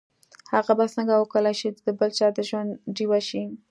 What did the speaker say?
هغه به څنګه وکولای شي د بل چا د ژوند ډيوه شي.